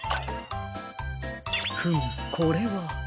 フムこれは。